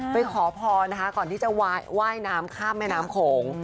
ขอพรนะคะก่อนที่จะว่ายน้ำข้ามแม่น้ำโขง